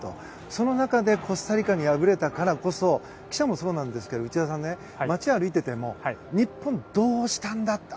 その中でコスタリカに敗れたからこそ記者もそうですが内田さん街を歩いていても日本どうしたんだと。